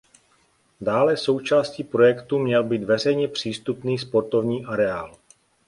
Dále součástí projektu měl být veřejně přístupný sportovní areál.